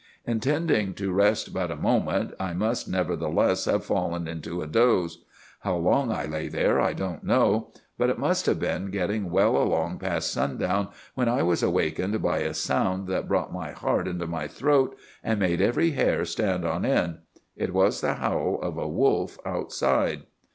"'Intending to rest but a moment, I must, nevertheless, have fallen into a doze. How long I lay thus, I don't know; but it must have been getting well along past sundown when I was awakened by a sound that brought my heart into my throat and made every hair stand on end. It was the howl of a wolf outside!